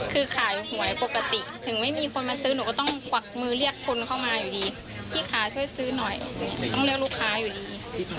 คือขายหวยปกติถึงไม่มีคนมาซื้อหนูก็ต้องกวักมือเรียกคนเข้ามาอยู่ดีพี่คะช่วยซื้อหน่อยต้องเรียกลูกค้าอยู่ดี